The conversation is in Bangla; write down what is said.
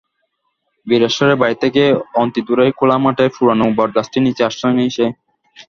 বীরেশ্বরের বাড়ি থেকে অনতিদূরে খোলা মাঠের পুরোনো বটগাছটির নিচে আশ্রয় নেয় সে।